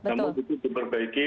namun itu diperbaiki